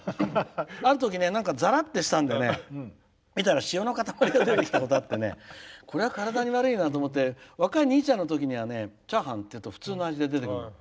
あるときなんか、ざらってしたんで見たら塩の塊が出てきたことあってこれは体に悪いなって思って若いにーちゃんのときにはチャーハンっていうと普通の味で出てくるの。